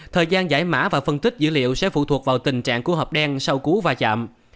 thời gian giải mã và phân tích dữ liệu sẽ phụ thuộc vào tình trạng của hợp đen sau cú va chạm